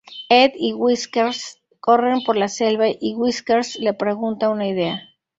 Ed y Whiskers corren por la selva y Whiskers le pregunta una idea.